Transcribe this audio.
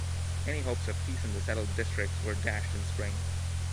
Any hopes of peace in the Settled Districts were dashed in spring.